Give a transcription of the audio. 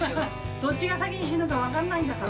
どっちが先に死ぬか分からないんだから。